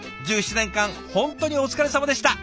１７年間本当にお疲れさまでした。